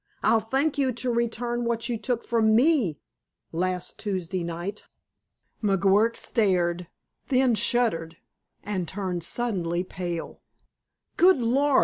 "I'll thank you to return what you took from ME last Tuesday night." McGuirk stared, then shuddered and turned suddenly pale. "Good Lord!"